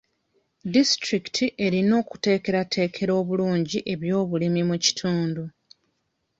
Disitulikiti erina okuteekerateekera obulungi ebyobulimi mu kitundu .